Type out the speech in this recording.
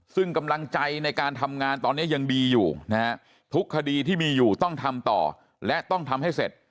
ซึ่งกำลังใจในการทำงานตอนนี้ยังดีอยู่นะฮะทุกคดีที่มีอยู่ต้องทำต่อและต้องทำให้เสร็จ